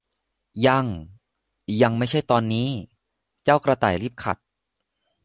ยัง ยังไม่ใช่ตอนนี้ เจ้ากระต่ายรีบขัด